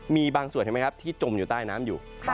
มีบางส่วนที่จมใต้น้ำอยู่